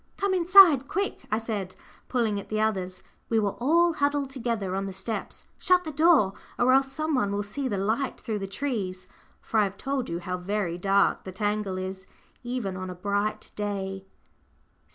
"Come inside, quick!" I said, pulling at the others we were all huddled together on the steps "shut the door, or else some one will see the light through the trees," for I have told you how very dark the tangle is, even on a bright day.